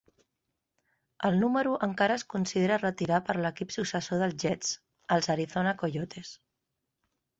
El número encara és considera retirar per l'equip successor dels Jets, els Arizona Coyotes.